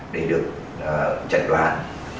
để được chẩn đoán